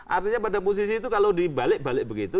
artinya pada posisi itu kalau dibalik balik begitu